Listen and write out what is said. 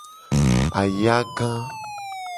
Ayaga.